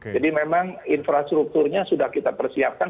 jadi memang infrastrukturnya sudah kita persiapkan